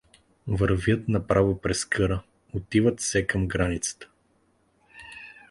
Вървят направо през къра, отиват все към границата.